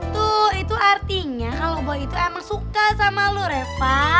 tuh itu artinya kalau boy itu emang suka sama lo repa